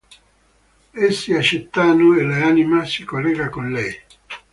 Essi accettano e l'anima si collega con lei.